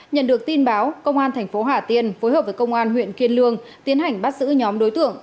nhận được tin báo công an thành phố hà tiên phối hợp với công an huyện kiên lương tiến hành bắt giữ nhóm đối tượng